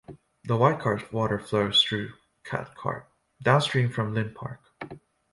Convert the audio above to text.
The White Cart Water flows through Cathcart, downstream from Linn Park.